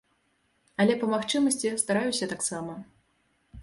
Але па магчымасці стараюся таксама.